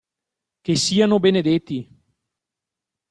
Che siano benedetti!